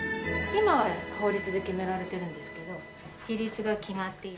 今は法律で決められているんですけど比率が決まっていて。